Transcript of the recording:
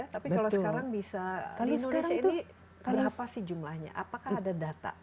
tapi kalau sekarang bisa di indonesia ini berapa sih jumlahnya apakah ada data